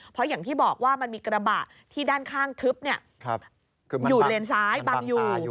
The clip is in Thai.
เพราะอย่างที่บอกว่ามันมีกระบะที่ด้านข้างทึบอยู่เลนซ้ายบังอยู่